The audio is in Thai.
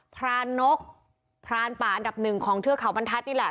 พรานกพรานป่าอันดับหนึ่งของเทือกเขาบรรทัศน์นี่แหละ